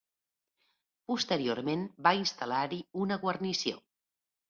Posteriorment va instal·lar-hi una guarnició.